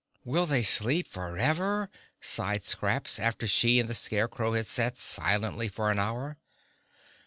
"Will they sleep forever?" sighed Scraps, after she and the Scarecrow had sat silently for an hour.